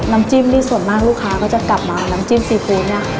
น้ำจิ้มนี่ส่วนมากลูกค้าก็จะกลับมาน้ำจิ้มซีฟู้ดเนี่ย